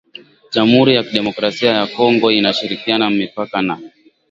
jamhuri ya kidemokrasia ya Kongo inashirikiana mipaka na